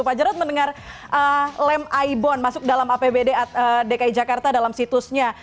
pak jarod mendengar lem aibon masuk dalam apbd dki jakarta dalam situsnya